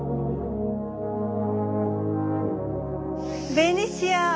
ベニシア。